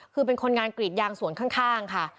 คือเป็นคนงานกรีดยางสวนข้างค่ะ